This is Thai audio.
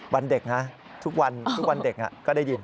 วันเด็กนะทุกวันเด็กก็ได้ยิน